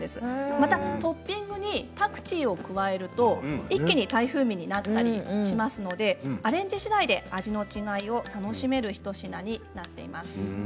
またトッピングにパクチーを加えると一気にタイ風味になったりしますのでアレンジしだいで味の違いを楽しめる一品になっています。